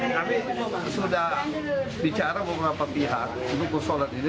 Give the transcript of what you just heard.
kami sudah bicara beberapa pihak untuk bersolat ini